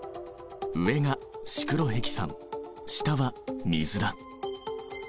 上がシクロヘキサン下は水だ。